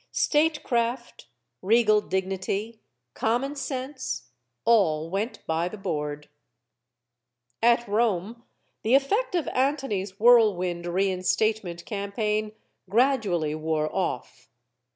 Statecraft, regal dignity common sense all went by the board At Rome, the effect of Antony's whirlwind reinstate ment campaign gradually wore off.